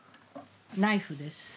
ナイフです。ね？